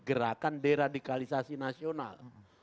bahkan deradikalisasi nasional